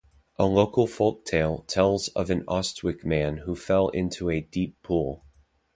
A local folktale tells of an Austwick man who fell into a deep pool.